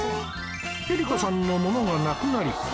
百合子さんのものがなくなり